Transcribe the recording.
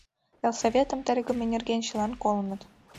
Ялсоветым тергыме нерген чылан колыныт.